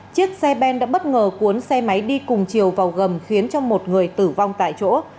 chiếc xe ben đã bất ngờ cuốn xe máy đi cùng chiều vào gầm khiến cho một người tử vong tại chỗ